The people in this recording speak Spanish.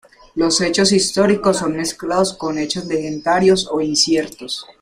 Los hechos históricos son mezclados con hechos legendarios o inciertos.